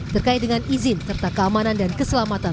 terkait dengan izin serta keamanan dan keselamatan